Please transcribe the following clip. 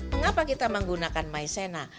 mengapa kita menggunakan maizena